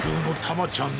たまちゃん？